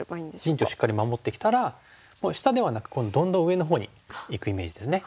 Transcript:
陣地をしっかり守ってきたらもう下ではなくどんどん上のほうにいくイメージですね。